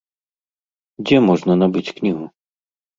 Дзе можна набыць кнігу?